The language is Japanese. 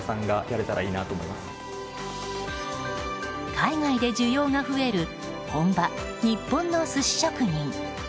海外で需要が増える本場日本の寿司職人。